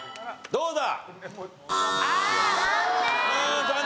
どうだ？